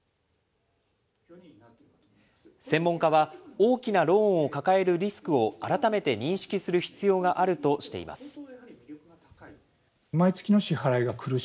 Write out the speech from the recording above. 専門家は、大きなローンを抱えるリスクを、改めて認識する必要があるとしています。